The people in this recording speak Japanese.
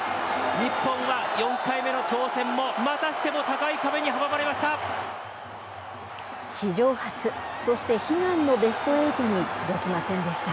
日本は４回目の挑戦も、またしても高い壁に阻まれました。